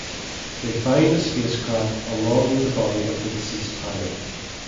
They find a spacecraft along with the body of the deceased pilot.